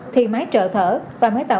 thì máy trợ thở và máy tạo oxy